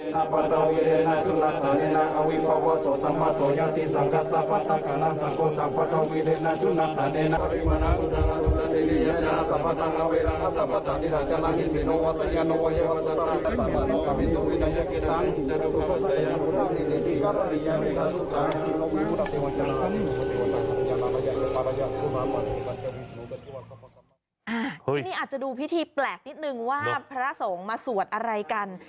นี่อาจจะดูพิธีแปลกนิดนึงว่าพระสงฆ์มาสวดอะไรกัน